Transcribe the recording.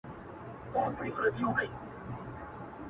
د شګوفو د پسرلیو وطن٫